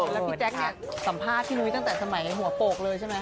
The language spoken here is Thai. แล้วพี่แจ๊คเนี่ยสัมภาษณ์พี่นุ้ยตั้งแต่สมัยหัวโปกเลยใช่ไหม